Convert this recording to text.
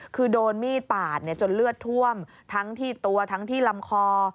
คือโดนมีดปาดจนเลือดท่วมทั้งที่ตัวทั้งที่ลำคอ